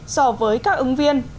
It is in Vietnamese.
so với các ứng viên